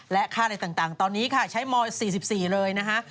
และค่าอะไรต่างตอนนี้ค่ะใช้ม๔๔เลยนะคะ